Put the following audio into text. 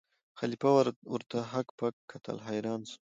خلیفه ورته هک پک کتل حیران سو